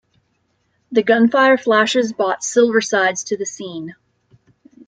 The gunfire flashes brought "Silversides" to the scene.